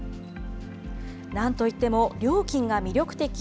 なんといっても料金が魅力的。